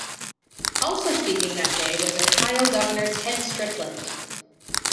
Also speaking that day was Ohio Governor Ted Strickland.